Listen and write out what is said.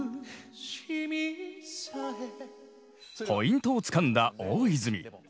ポイントをつかんだ大泉。